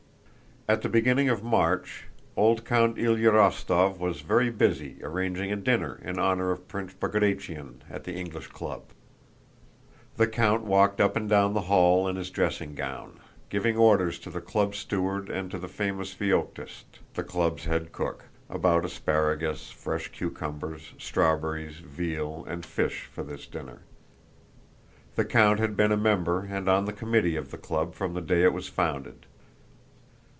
At the beginning of March, old Count Ilyá Rostóv was very busy arranging a dinner in honor of Prince Bagratión at the English Club. The count walked up and down the hall in his dressing gown, giving orders to the club steward and to the famous Feoktíst, the club's head cook, about asparagus, fresh cucumbers, strawberries, veal, and fish for this dinner. The count had been a member and on the committee of the club from the day it was founded.